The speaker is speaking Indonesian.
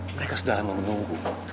mereka sudah lama menunggu